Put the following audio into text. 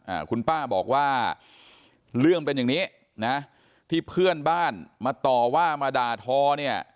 อ่าคุณป้าบอกว่าเรื่องเป็นอย่างนี้นะที่เพื่อนบ้านมาต่อว่ามาด่าทอเนี่ย